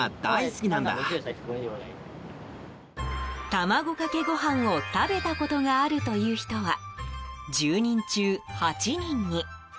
卵かけご飯を食べたことがあるという人は１０人中８人に。